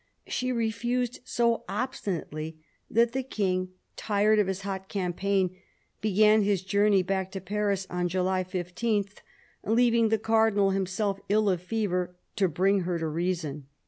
She refused so obstinately that the King, tired of his hot campaign, began his journey back to Paris on July 15, leaving the Cardinal, himself ill of fever, to bring her to reason.